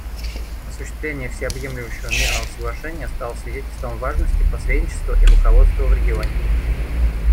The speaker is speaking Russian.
Осуществление Всеобъемлющего мирного соглашения стало свидетельством важности посредничества и руководства в регионе.